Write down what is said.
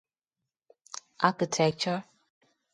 Architecture.